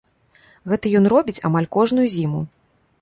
Гэта ён робіць амаль кожную зіму.